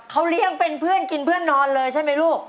เขาเลี้ยงเป็นเพื่อนกินเพื่อนนอนเลยใช่ไหมลูก